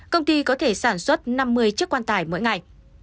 công ty có thể sản xuất năm mươi chiếc quan tải mỗi ngày